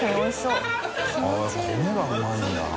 米がうまいんだな。